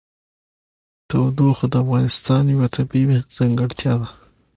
تودوخه د افغانستان یوه طبیعي ځانګړتیا ده.